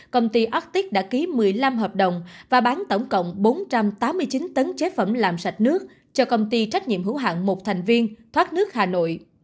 công ty autic đã ký một mươi năm hợp đồng và bán tổng cộng bốn trăm tám mươi chín tấn chế phẩm làm sạch nước cho công ty trách nhiệm hữu hạng một thành viên thoát nước hà nội